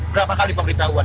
berapa kali pemberitahuan